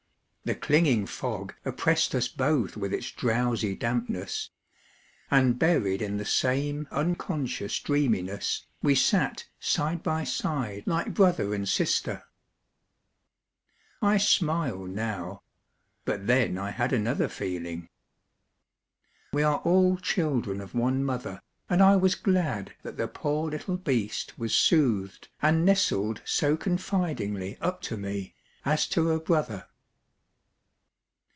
The clinging fog oppressed us both with its drowsy dampness ; and buried in the same un 318 POEMS IN PROSE conscious dreaminess, we sat side by side like brother and sister. I smile now ... but then I had another feeling. We are all children of one mother, and I was glad that the poor little beast was soothed and nestled so confidingly up to me, as to a brother.